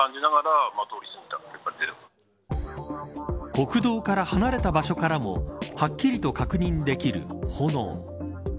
国道から離れた場所からもはっきりと確認できる炎。